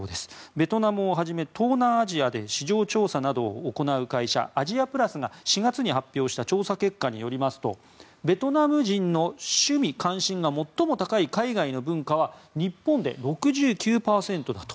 ベトナムをはじめ東南アジアで市場調査などを行う会社アジアプラスが４月に発表した調査結果によりますとベトナム人の趣味・関心が最も高い海外の文化は日本で６９％だと。